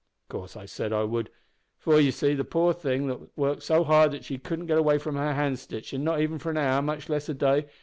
"Of course I said I would, for, you see, the poor thing was that hard worked that she couldn't git away from her stitch stitchin', not even for an hour, much less a day.